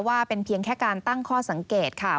ว่าเป็นเพียงแค่การตั้งข้อสังเกตค่ะ